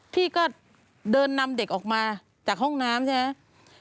พี่ก็เดินนำเด็กออกมาจากห้องน้ำใช่ไหม